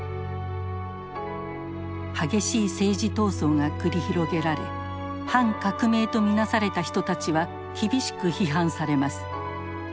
激しい政治闘争が繰り広げられ反革命と見なされた人たちは厳しく批判されます。